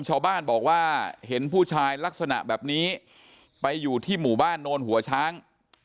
ชาวบ้านบอกว่าเห็นผู้ชายลักษณะแบบนี้ไปอยู่ที่หมู่บ้านโนนหัวช้าง